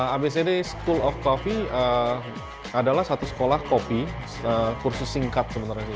abcd school of coffee adalah satu sekolah kopi kursus singkat sebenarnya